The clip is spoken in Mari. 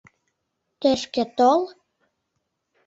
Тышке тол